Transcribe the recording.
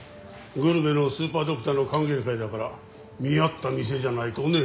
グルメのスーパードクターの歓迎会だから見合った店じゃないとね。